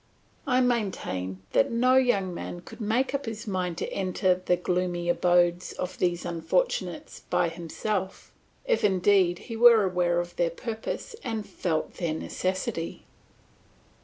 I maintain that no young man could make up his mind to enter the gloomy abodes of these unfortunates by himself, if indeed he were aware of their purpose and felt their necessity.